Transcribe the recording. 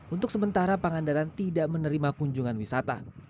untuk sementara pangandaran tidak menerima kunjungan wisata